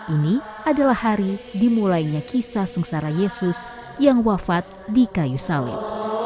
ini adalah hari dimulainya kisah sengsara yesus yang wafat di kayu sawit